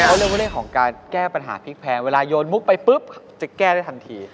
เขาเรียกว่าเรื่องของการแก้ปัญหาพริกแพงเวลาโยนมุกไปปุ๊บจะแก้ได้ทันที